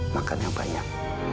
makan yang banyak